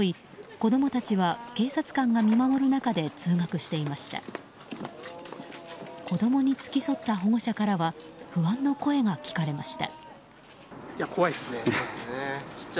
子供に付き添った保護者からは不安の声が聞かれました。